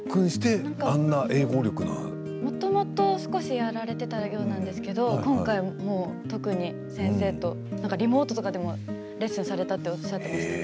もともと少しやられていたようなんですけど今回も特に先生とリモートとかでレッスンされたとおっしゃっていました。